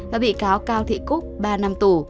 và bị cáo cao thị cúc ba năm tù